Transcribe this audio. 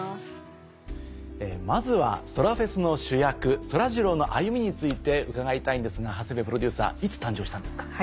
まずはそらフェスの主役。について伺いたいんですが長谷部プロデューサーいつ誕生したんですか？